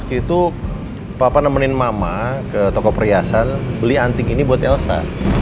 itu papa nemenin mama ke toko perhiasan beli anting ini buat elsa